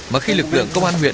mà khi lực lượng công an huyện